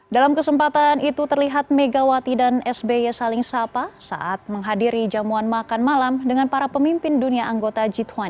dalam kesempatan itu terlihat megawati dan sby saling sapa saat menghadiri jamuan makan malam dengan para pemimpin dunia anggota g dua puluh